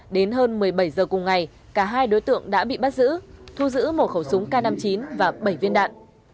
đến hơn một mươi bảy h cùng ngày cả hai đối tượng đã bị bắt giữ thu giữ một khẩu súng k năm mươi chín và bảy viên đạn